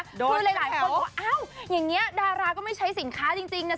คือหลายคนบอกอ้าวอย่างนี้ดาราก็ไม่ใช้สินค้าจริงนะ